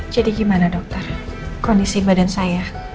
jadi gimana dokter kondisi badan saya